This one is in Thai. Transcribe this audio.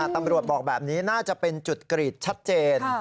ตำรวจบอกแบบนี้น่าจะเป็นจุดกรีดชัดเจน